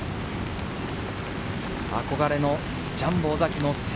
憧れのジャンボ尾崎の背